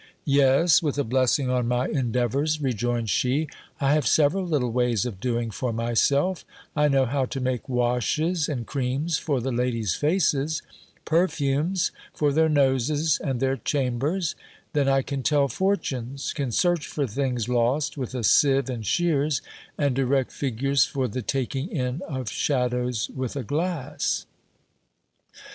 Yes, with a blessing on my endeavours, rejoined she: I have several little ways of doing for myself: I know how to make washes and creams for the ladies' faces, perfumes for their noses and their chambers ; then I can tell fortunes, can search for things lost with a sieve and shears, and erect figures for the taking in of shadows with a glass.